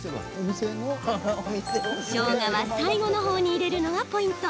しょうがは最後のほうに入れるのがポイント。